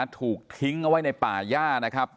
ถูกทิ้งไว้ในป่าหญ้า